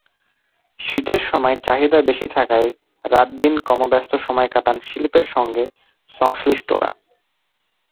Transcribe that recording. শীতের সময় চাহিদা বেশি থাকায় রাত-দিন কর্মব্যস্ত সময় কাটান শিল্পের সঙ্গে সংশ্লিষ্টরা।